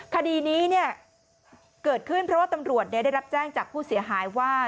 คดีนี้เกิดขึ้นเพราะว่าตำรวจได้รับแจ้งจากผู้เสียหายว่า